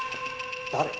誰？